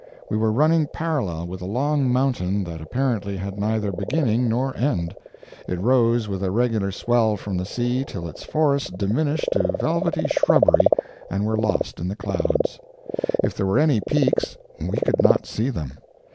We were running parallel with a long mountain that apparently had neither beginning nor end. It rose with a regular swell from the sea till its forests diminished to velvety shrubbery and were lost in the clouds. If there were any peaks we could not see them.